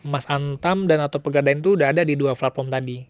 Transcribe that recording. mas antam dan atau pegadaian tuh udah ada di dua platform tadi